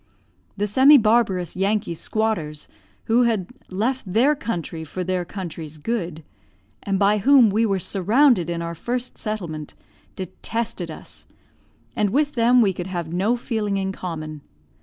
The semi barbarous Yankee squatters, who had "left their country for their country's good," and by whom we were surrounded in our first settlement, detested us, and with them we could have no feeling in common.